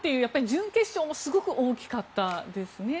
準決勝もすごく大きかったですね。